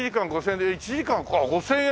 １時間ああ５０００円！